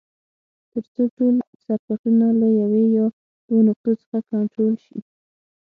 تر څو ټول سرکټونه له یوې یا دوو نقطو څخه کنټرول شي.